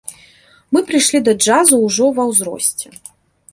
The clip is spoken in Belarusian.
Мы прыйшлі да джазу ўжо ва ўзросце.